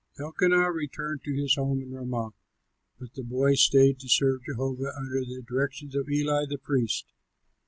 Elkanah returned to his home in Ramah, but the boy stayed to serve Jehovah under the direction of Eli the priest.